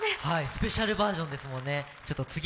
スペシャルバージョンですもんね、次、